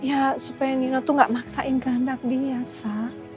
ya supaya nino tuh gak maksain gandak dia sa